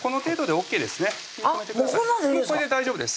もうこれで大丈夫です